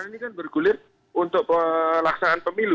aturan ini kan bergulir untuk laksanaan pemilu